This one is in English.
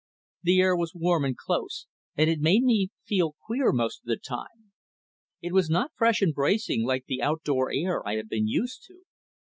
The air was warm and close, and it made me feel queer most of the time. It was not fresh and bracing like the out door air I had been used to.